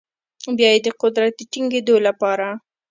بیا یې د قدرت د ټینګیدو لپاره